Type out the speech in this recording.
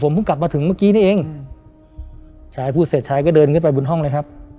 เพิ่งกลับมาถึงเมื่อกี้นี่เองชายพูดเสร็จชายก็เดินขึ้นไปบนห้องเลยครับ